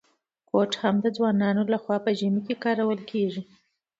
کوټ هم د ځوانانو لخوا په ژمي کي کارول کیږي.